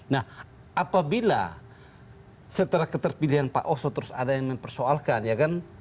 nah apabila setelah keterpilihan pak oso terus ada yang mempersoalkan ya kan